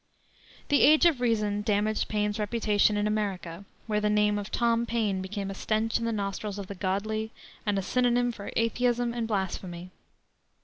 The Age of Reason damaged Paine's reputation in America, where the name of "Tom Paine" became a stench in the nostrils of the godly and a synonym for atheism and blasphemy.